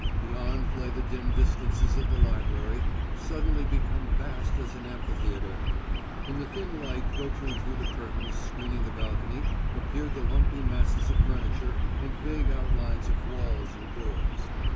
Beyond lay the dim distances of the library, suddenly become vast as an amphitheater; in the thin light filtering through the curtains screening the balcony appeared the lumpy masses of furniture and vague outlines of walls and doors.